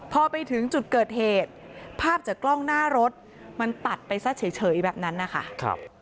พอไปถึงจุดเกิดเหตุภาพจากกล้องหน้ารถมันตัดไปซะเฉยแบบนั้นนะคะ